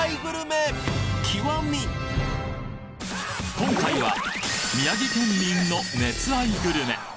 今回は宮城県民の熱愛グルメ